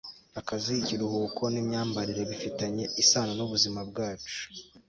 akazi, ikiruhuko, n'imyambarire bifitanye isano n'ubuzima bwacu